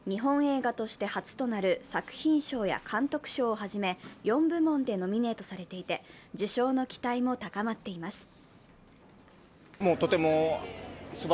「ドライブ・マイ・カー」は日本映画として初となる作品賞や監督賞をはじめ４部門でノミネートされていて、受賞の期待も高まっています。